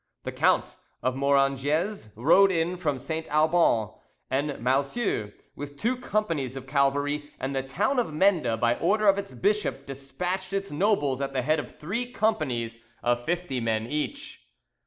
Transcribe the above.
The Count of Morangiez rode in from St. Auban and Malzieu with two companies of cavalry, and the town of Mende by order of its bishop despatched its nobles at the head of three companies of fifty men each.